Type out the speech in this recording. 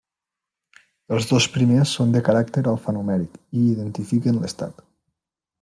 Els dos primers són de caràcter alfanumèric i identifiquen l'estat.